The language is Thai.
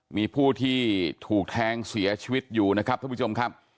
มีผู้ที่ถูกแทงเสียชีวิตอยู่นะครับท่านผู้ชมครับ